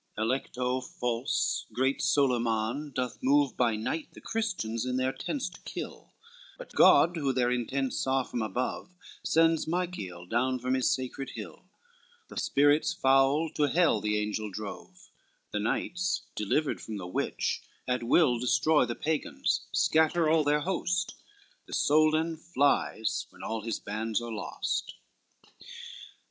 Alecto false great Solyman doth move By night the Christians in their tents to kill: But God who their intents saw from above, Sends Michael down from his sacred hill: The spirits foul to hell the angels drove; The knights delivered from the witch, at will Destroy the Pagans, scatter all their host: The Soldan flies when all his bands are lost.